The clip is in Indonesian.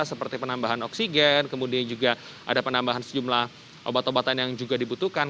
seperti penambahan oksigen kemudian juga ada penambahan sejumlah obat obatan yang juga dibutuhkan